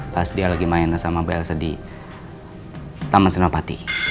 pas dia lagi main sama mbak elsa di taman senopati